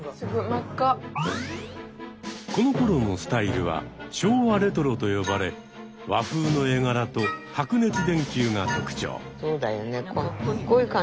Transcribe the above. このころのスタイルは昭和レトロと呼ばれ和風の絵柄と白熱電球が特徴。